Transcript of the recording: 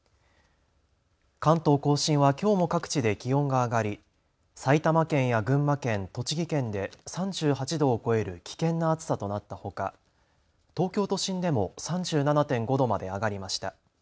関東甲信はきょうも各地で気温が上がり埼玉県や群馬県、栃木県で３８度を超える危険な暑さとなったほか東京都心でも３７．５度まで上がりました。